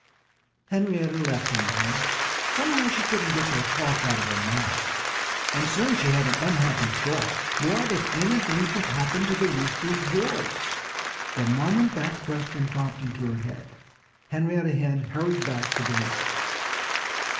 Henrietta left him then. Somehow she couldn't get their talk out of her mind. And soon she had an unhappy thought. What if anything should happen to the Rooster's voice? The moment that question popped into her head, Henrietta Hen hurried back to the Rooster.